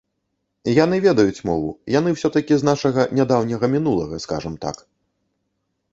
Яны ведаюць мову, яны ўсё-такі з нашага нядаўняга мінулага, скажам так.